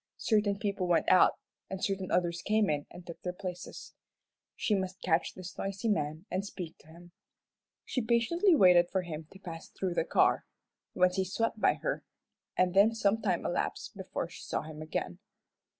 Certain people went out, and certain others came in and took their places. She must catch this noisy man and speak to him. She patiently waited for him to pass through the car. Once he swept by her, and then some time elapsed before she saw him again.